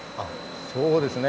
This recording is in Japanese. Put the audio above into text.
そうですね。